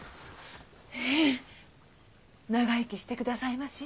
えぇ長生きしてくださいまし。